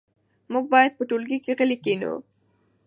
موږ باید په ټولګي کې غلي کښېنو.